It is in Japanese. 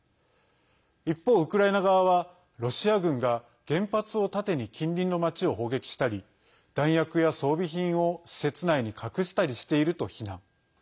一方、ウクライナ側はロシア軍が原発を盾に近隣の町を砲撃したり弾薬や装備品を施設内に隠したりしていると非難。